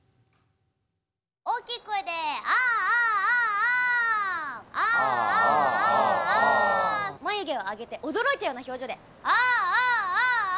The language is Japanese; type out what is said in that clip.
大きい声で「ああああ！」。「ああああ！」。眉毛を上げて驚いたような表情で「ああああ！」。